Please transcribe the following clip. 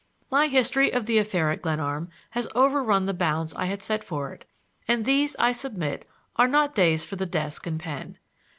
My history of the affair at Glenarm has overrun the bounds I had set for it, and these, I submit, are not days for the desk and pen.